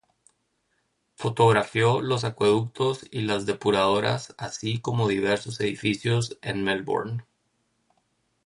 Fotografió los acueductos y las depuradoras así como diversos edificios en Melbourne.